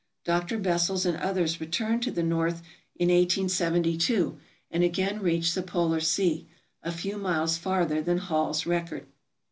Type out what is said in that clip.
Dr. Bessels and others returned to the North in 1872, and again reached the polar sea. a few miles farther than Hall's record.